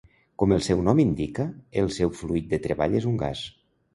Com el seu nom indica, el seu fluid de treball és un gas.